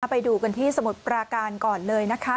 ไปดูกันที่สมุทรปราการก่อนเลยนะคะ